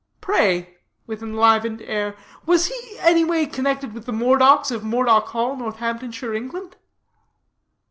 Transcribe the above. Pray," with enlivened air, "was he anyway connected with the Moredocks of Moredock Hall, Northamptonshire, England?"